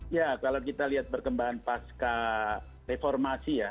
ya kalau kita lihat perkembangan pas ke reformasi ya